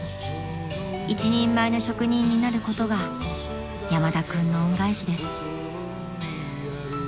［一人前の職人になることが山田君の恩返しです］